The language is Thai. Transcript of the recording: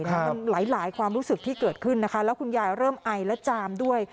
มันหลายความรู้สึกที่เกิดขึ้นนะคะแล้วคุณยายเริ่มไอและจามด้วย